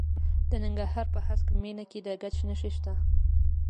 د ننګرهار په هسکه مینه کې د ګچ نښې شته.